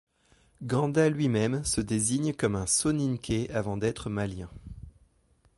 Ganda lui-même se désigne comme un Soninké avant d’être Malien.